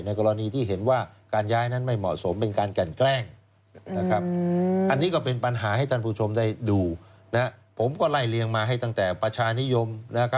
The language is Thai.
ในกรณีที่เห็นว่าการย้ายนั้นไม่เหมาะสม